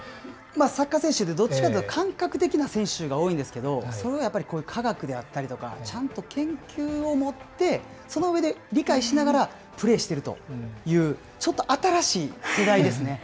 サッカー選手って、どっちかというと、感覚的な選手が多いんですけど、やっぱり科学であったりとか、ちゃんと研究をもって、その上で理解しながらプレーしているという、ちょっと新しい世代ですね。